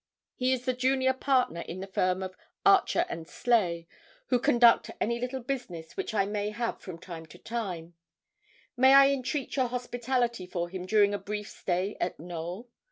He is the junior partner in the firm of Archer and Sleigh, who conduct any little business which I may have from time to time; may I entreat your hospitality for him during a brief stay at Knowl?